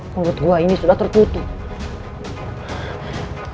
menurut gua ini sudah tertutup